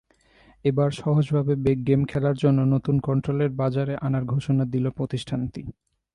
এবার সহজভাবে গেম খেলার জন্য নতুন কন্ট্রোলার বাজারে আনার ঘোষণা দিল প্রতিষ্ঠানটি।